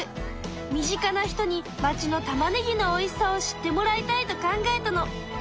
身近な人に町のたまねぎのおいしさを知ってもらいたいと考えたの。